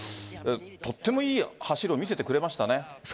とってもいい走りを見せてくれましたね。